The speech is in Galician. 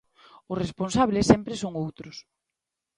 Os responsables sempre son outros.